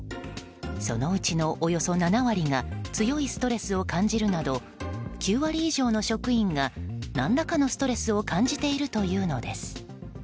そのうちのおよそ７割が強いストレスを感じるなど９割以上の職員が何らかのストレスを感じているというのです。